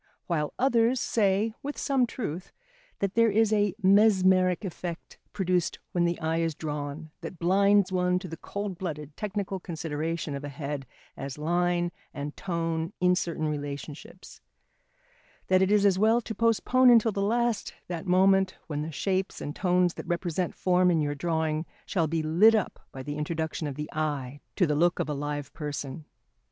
While others say, with some truth, that there is a mesmeric effect produced when the eye is drawn that blinds one to the cold blooded technical consideration of a head as line and tone in certain relationships; that it is as well to postpone until the last that moment when the shapes and tones that represent form in your drawing shall be lit up by the introduction of the eye to the look of a live person.